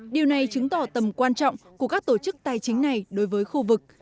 điều này chứng tỏ tầm quan trọng của các tổ chức tài chính này đối với khu vực